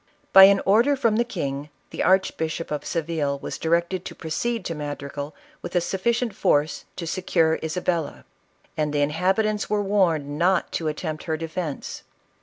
By an order from the king, the Archbishop of Se ville was directed to proceed to Madrigal with a suf ficient force to secure Isabella; and the inhabitants were warned .not to attempt her defence.